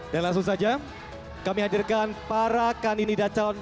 dan langsung saja kami hadirkan para kandidat calon